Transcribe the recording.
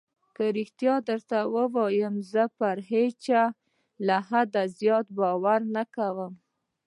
که رښتيا درته ووايم زه پر هېچا له حده زيات باور نه کوم.